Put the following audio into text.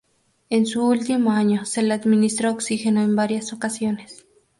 En su último año se le administró oxígeno en varias ocasiones.